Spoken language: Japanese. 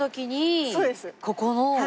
ここの。